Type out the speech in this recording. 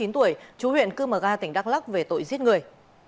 bốn mươi chín tuổi chú huyện cư mờ ga tỉnh đắk lắc về tội giết người